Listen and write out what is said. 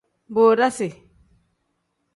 Bodasi.